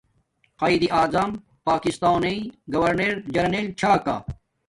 قایداعظم پاکستانݵ گورونر جنرنل چھا کا